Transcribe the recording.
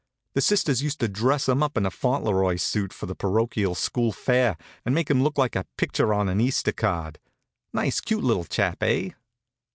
The Sisters used to dress him up in a Fauntleroy suit for the parochial school fair, and make him look like a picture on an Easter card. Nice, cute little chap, eh?"